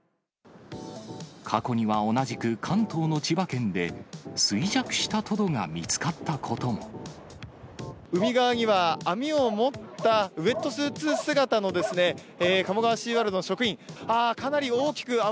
過去には同じく、関東の千葉県で、海側には、網を持ったウエットスーツ姿の鴨川シーワールドの職員。